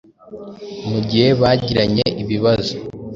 mu gihe bagiranye ibibazo,